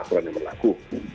ya itu sudah berlaku